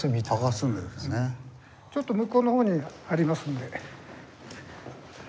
ちょっと向こうの方にありますんで。